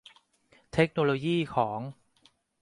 เทคโนโลยีของ